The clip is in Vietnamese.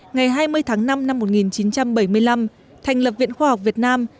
ngày hai mươi tháng năm năm một nghìn chín trăm bảy mươi năm thành lập viện khoa học việt nam